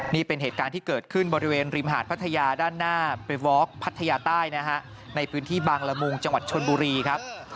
นี่เป็นเหตุการณ์ที่เกิดขึ้นบริเวณริมหาดพัทยาด้านหน้าไปวอร์กพัทยาใต้นะฮะในพื้นที่บางละมุงจังหวัดชนบุรีครับ